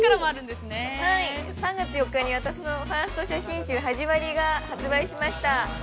◆３月４日に私のファースト写真集、「はじまり。」がが発売しました。